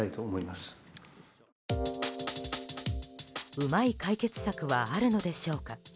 うまい解決策はあるのでしょうか。